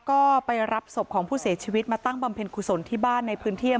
ก็ไปรับศพของผู้เสียชีวิตมาตั้งบำเพ็ญกุศลที่บ้านในพื้นที่